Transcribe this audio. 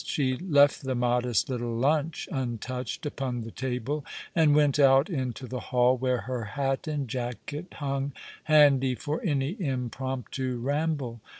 She left the modest little lunch untouched upon the table, and went out into the hall, where her hat and jacket hung handy for any impromptu ramble.